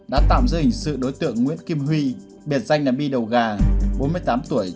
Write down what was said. đã tạm giữ hình sự đối tượng nguyễn kim huy biệt danh là my đầu gà bốn mươi tám tuổi